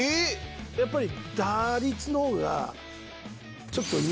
やっぱり。